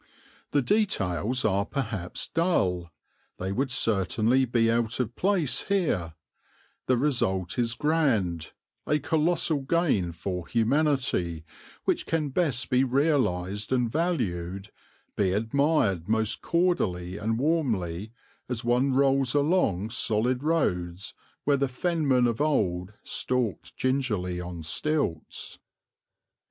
The details are perhaps dull; they would certainly be out of place here; the result is grand, a colossal gain for humanity which can best be realized and valued, be admired most cordially and warmly, as one rolls along solid roads where the Fenman of old stalked gingerly on stilts.